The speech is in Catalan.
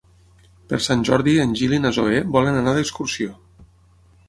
Per Sant Jordi en Gil i na Zoè volen anar d'excursió.